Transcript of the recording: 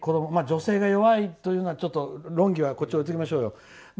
女性が弱いという論議はこっちへ置いておきましょうよ。